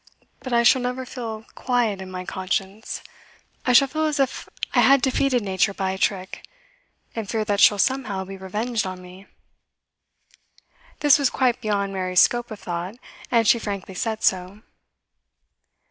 But I shall never feel quiet in my conscience. I shall feel as if I had defeated Nature by a trick, and fear that she'll somehow be revenged on me.' This was quite beyond Mary's scope of thought, and she frankly said so.